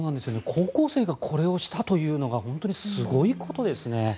高校生がこれをしたというのが本当にすごいことですね。